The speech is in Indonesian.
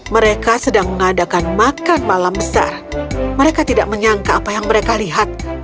mereka sedang mengadakan makan malam besar mereka tidak menyangka apa yang mereka lihat